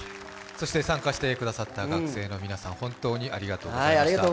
そして参加してくださって学生の皆さん本当にありがとうございました。